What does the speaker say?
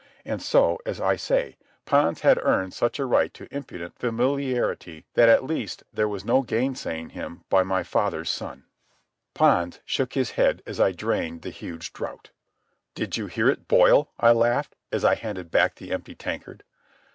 And so, as I say, Pons had earned such a right to impudent familiarity that at least there was no gainsaying him by my father's son. Pons shook his head as I drained the huge draught. "Did you hear it boil?" I laughed, as I handed back the empty tankard.